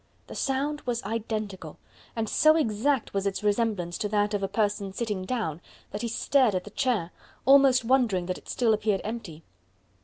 The sound was identical, and so exact was its resemblance to that of a person sitting down that he stared at the chair, almost wondering that it still appeared empty.